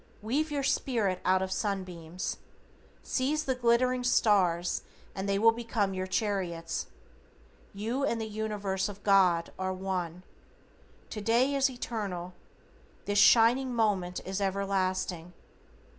Weave your Spirit out of sunbeams. Seize the glittering stars and they will become your chariots. You and the Universe of God are one. To day is eternal. This shining moment is everlasting.